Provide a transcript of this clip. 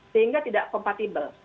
sehingga tidak kompatibel